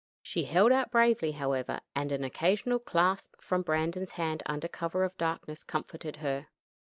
She held out bravely, however, and an occasional clasp from Brandon's hand under cover of the darkness comforted her.